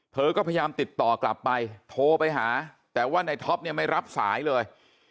เธอก็พยายามติดต่อกลับไปโทรไปหาแต่ว่าในท็อปเนี่ยไม่รับสายเลย